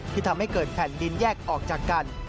ทำให้เกิดแผ่นดินแยกออกจากกัน